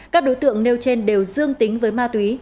các đối tượng nêu trên đều dương tính với ma túy